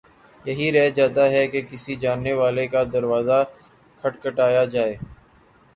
یہی رہ جاتا ہے کہ کسی جاننے والے کا دروازہ کھٹکھٹایا جائے۔